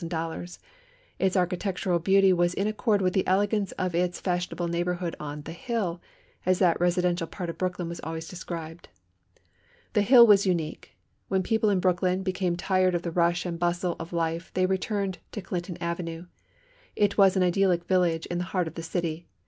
Its architectural beauty was in accord with the elegance of its fashionable neighbourhood on "The Hill," as that residential part of Brooklyn was always described. "The Hill" was unique. When people in Brooklyn became tired of the rush and bustle of life they returned to Clinton Avenue. It was an idyllic village in the heart of the city.